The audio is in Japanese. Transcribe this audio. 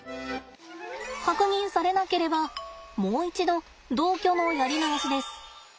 確認されなければもう一度同居のやり直しです。